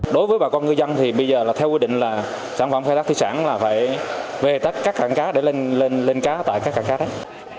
đối với bà con ngư dân thì bây giờ là theo quy định là sản phẩm khai thác thủy sản là phải về các cảng cá để lên cá tại các cảng cá đấy